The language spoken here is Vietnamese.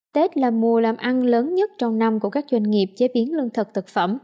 tết là mùa làm ăn lớn nhất trong năm của các doanh nghiệp chế biến lương thực thực phẩm